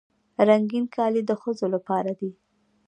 رنګین کالي د ښځو لپاره دي.